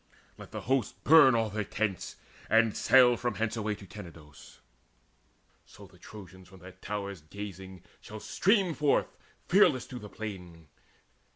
Let the host Burn all their tents, and sail from hence away To Tenedos; so the Trojans, from their towers Gazing, shall stream forth fearless to the plain.